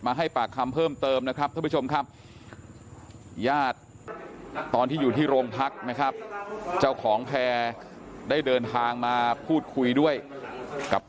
มาให้ปากคำเพิ่มเติมนะครับ